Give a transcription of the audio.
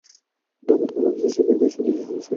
নতুন করে ভালোবাসতে শেখায় দেশ ও দেশীয় সংস্কৃতিকে।